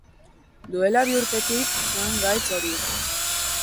Duela bi urtetik zuen gaitz hori.